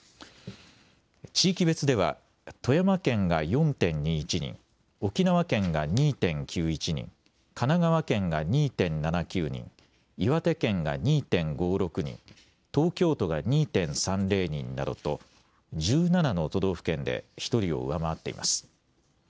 地域別では富山県が４．２１人、沖縄県が２．９１人、神奈川県が２．７９人、岩手県が２．５６人、東京都が２．３０人などと１７の都道府県で１人を上回っています。